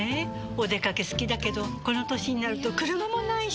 お出かけ好きだけどこの歳になると車もないし。